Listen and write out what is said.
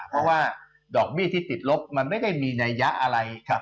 เพราะว่าดอกเบี้ยที่ติดลบมันไม่ได้มีนัยยะอะไร